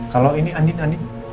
kalau ini andini